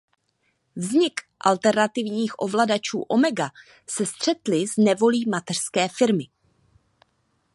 Vznik alternativních ovladačů Omega se střetli s nevolí mateřské firmy.